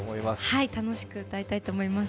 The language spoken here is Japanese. はい、楽しく歌いたいと思います。